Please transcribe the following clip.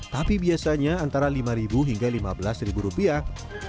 tapi biasanya antara lima hingga lima belas rupiah